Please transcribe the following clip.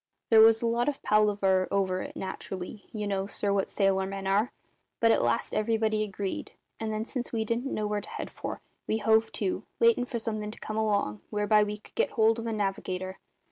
"There was a lot of palaver over it, naturally you know, sir, what sailor men are but at last everybody agreed; and then, since we didn't know where to head for, we hove to, waitin' for something to come along whereby we could get hold of a navigator.